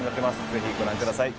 ぜひご覧ください。